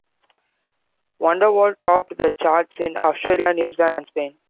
"Wonderwall" topped the charts in Australia, New Zealand, and Spain.